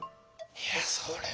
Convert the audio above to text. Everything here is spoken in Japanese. いやそれはねえ